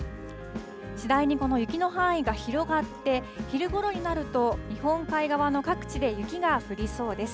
次第にこの雪の範囲が広がって、昼ごろになると、日本海側の各地で雪が降りそうです。